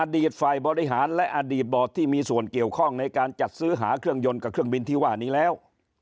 ฝ่ายบริหารและอดีตบอร์ดที่มีส่วนเกี่ยวข้องในการจัดซื้อหาเครื่องยนต์กับเครื่องบินที่ว่านี้แล้ว